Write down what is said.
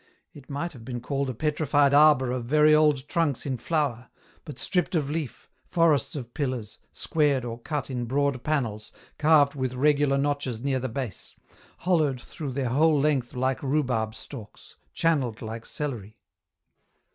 It might have been called a petrified arbour of very old trunks in flower, but stripped of leaf, forests of pillars, squared or cut in broad panels, carved with regular notches near the base, hollowed through their whole length like rhubarb stalks, channelled like celery.